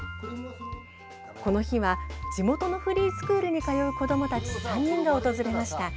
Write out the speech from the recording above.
この日は地元のフリースクールに通う子どもたち３人が訪れました。